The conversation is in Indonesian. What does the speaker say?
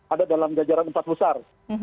ada dalam jajaran empat besar